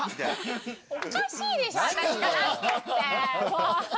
おかしいでしょ私がラストって。